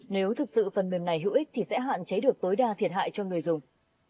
nếu thực sự phần mềm này hữu ích thì sẽ hạn chế được tối đa thiệt hại cho người dùng